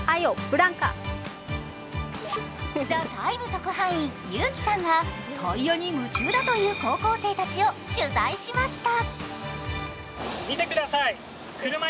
特派員Ｙｕｋｉさんがタイヤに夢中だという高校生たちを取材しました。